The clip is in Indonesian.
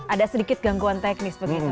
ada sedikit gangguan teknis begitu